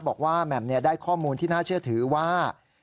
บอกว่าแม่มเนี่ยได้ข้อมูลที่น่าเชื่อถือว่า